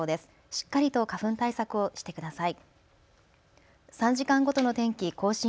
しっかりと花粉対策をしてください。